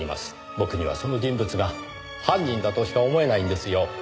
僕にはその人物が犯人だとしか思えないんですよ。